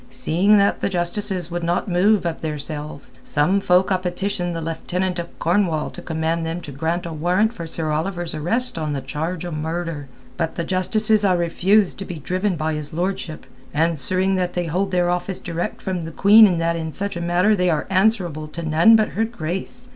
Seeing that the Justices would not move of theirselves, some folk ha' petitioned the Lieutenant of Cornwall to command them to grant a warrant for Sir Oliver's arrest on a charge o' murder. But the Justices ha' refused to be driven by his lordship, answering that they hold their office direct from the Queen and that in such a matter they are answerable to none but her grace.